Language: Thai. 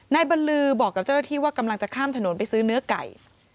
บรรลือบอกกับเจ้าหน้าที่ว่ากำลังจะข้ามถนนไปซื้อเนื้อไก่